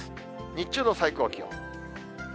日中の最高気温。